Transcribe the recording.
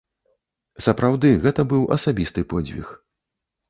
Сапраўды, гэта быў асабісты подзвіг.